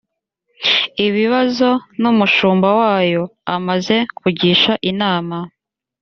ibibazo n umushumba wayo amaze kugisha inama